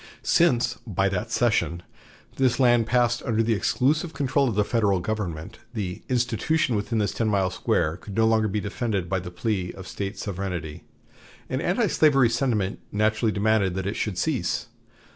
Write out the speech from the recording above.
Since, by that cession, this land passed under the exclusive control of the Federal government, the "institution" within this ten miles square could no longer be defended by the plea of State sovereignty, and antislavery sentiment naturally demanded that it should cease.